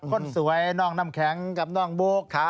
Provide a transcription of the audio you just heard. คนสวยน้องน้ำแข็งกับน้องบุ๊กค่ะ